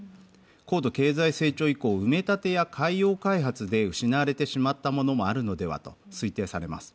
高度経済成長期以降、埋め立てや海洋開発で失われてしまったものもあるのではと推定されます。